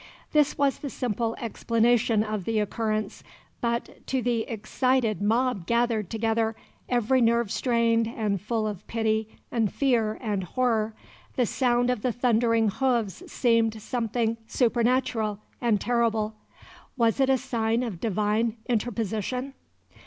This was the simple explanation of the occurrence; but, to the excited mob gathered together, every nerve strained and full of pity and fear and horror, the sound of the thundering hoofs seemed something supernatural and terrible. Was it a sign of divine interposition?